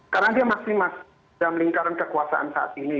karena dia masih dalam lingkaran kekuasaan saat ini